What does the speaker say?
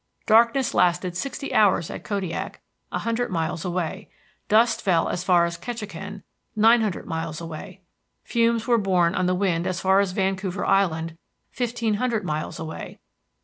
Darkness lasted sixty hours at Kodiak, a hundred miles away. Dust fell as far as Ketchikan, nine hundred miles away. Fumes were borne on the wind as far as Vancouver Island, fifteen hundred miles away.